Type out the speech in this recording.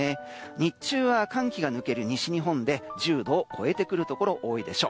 日中は寒気が抜ける西日本で１０度を超えてくるところが多いでしょう。